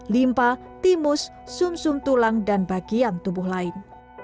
limpa timus sum sum tulang dan bagian tubuh lain